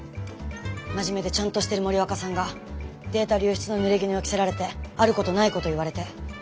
真面目でちゃんとしてる森若さんがデータ流出のぬれぎぬを着せられてあることないこと言われて。